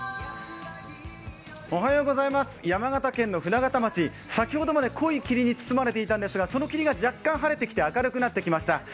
山形県の舟形町先ほどまで濃い霧に包まれていたんですが、その霧が若干晴れて明るくなってきました。